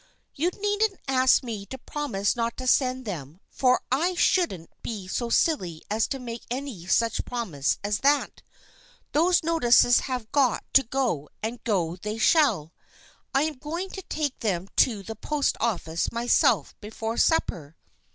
You needn't ask me to promise not to send them, for . I shouldn't be so silly as to make any such promise as that. Those notices have got to go and go they shall. I am going to take them to the post office myself before supper.